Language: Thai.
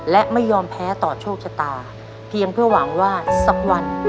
และไม่ยอมแพ้ต่อโชคชะตาเพียงเพื่อหวังว่าสักวัน